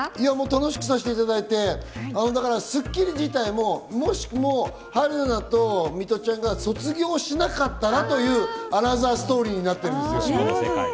楽しくさせていただいて、『スッキリ』自体ももしも春菜とミトちゃんが卒業しなかったらというアナザーストーリーになってるんですよ。